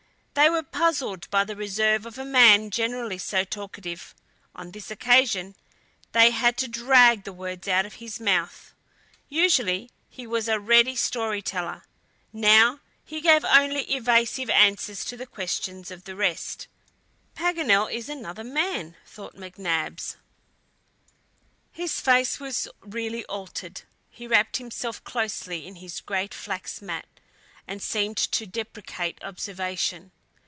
They were puzzled by the reserve of a man generally so talkative; on this occasion they had to drag the words out of his mouth; usually he was a ready story teller, now he gave only evasive answers to the questions of the rest. "Paganel is another man!" thought McNabbs. His face was really altered. He wrapped himself closely in his great flax mat and seemed to deprecate observation.